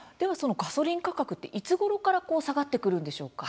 ガソリン価格っていつごろから下がってくるんでしょうか？